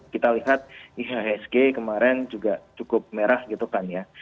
kita lihat ihsg kemarin juga cukup merah gitu kan ya